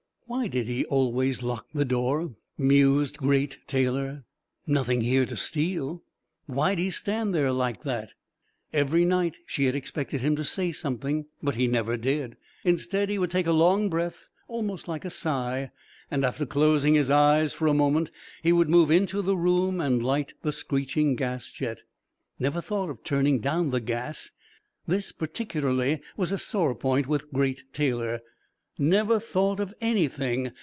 "Why did he always lock the door?" mused Great Taylor. "Nothing here to steal! Why'd he stand there like that?" Every night she had expected him to say something, but he never did. Instead, he would take a long breath, almost like a sigh, and, after closing his eyes for a moment, he would move into the room and light the screeching gas jet. "Never thought of turning down the gas." This, particularly, was a sore point with Great Taylor. "Never thought of anything.